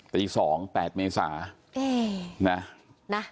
ตี๒แปดเมษา